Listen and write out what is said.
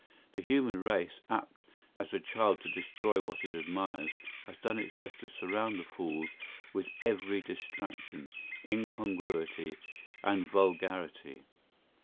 The human race, apt as a child to destroy what it admires, has done its best to surround the Falls with every distraction, incongruity, and vulgarity.